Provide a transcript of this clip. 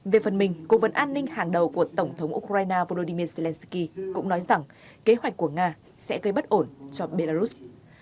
về phần mình cố vấn an ninh hàng đầu của tổng thống ukraine volodymyr zelensky cũng nói rằng kế hoạch của nga sẽ gây bất ổn cho belarus